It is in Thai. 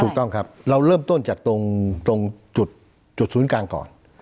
ถูกต้องครับเราเริ่มต้นจากตรงจุดศูนย์กลางก่อน